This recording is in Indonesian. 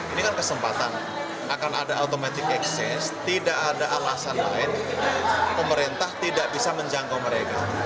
ini kan kesempatan akan ada automatic excess tidak ada alasan lain pemerintah tidak bisa menjangkau mereka